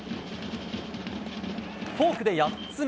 フォークで８つ目。